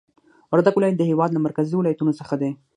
وردګ ولایت د هېواد له مرکزي ولایتونو څخه دی